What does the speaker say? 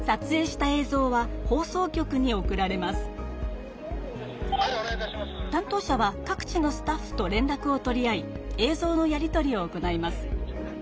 たん当者は各地のスタッフと連らくを取り合い映像のやり取りを行います。